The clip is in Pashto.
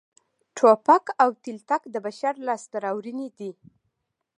ټوپک او تلتک د بشر لاسته راوړنې دي